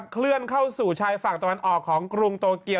เคลื่อนเข้าสู่ชายฝั่งตะวันออกของกรุงโตเกียว